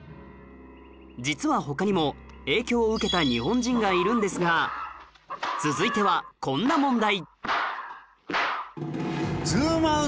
実は他にも影響を受けた日本人がいるんですが続いてはこんな問題